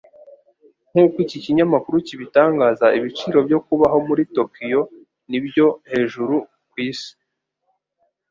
Nk'uko iki kinyamakuru kibitangaza, ibiciro byo kubaho muri Tokiyo ni byo hejuru ku isi.